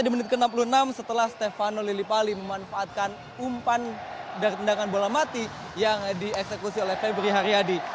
di menit ke enam puluh enam setelah stefano lillipali memanfaatkan umpan dari tendangan bola mati yang dieksekusi oleh febri haryadi